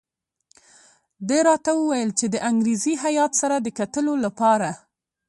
ده راته وویل چې د انګریزي هیات سره د کتلو لپاره.